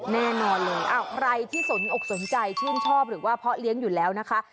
แน่นอนเลยใครที่สนอกสนใจชื่นชอบหรือว่าเพาะเลี้ยงอยู่แล้วนะคะ